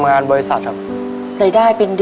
งานนี่